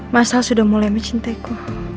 mas al sudah mulai mencintaiku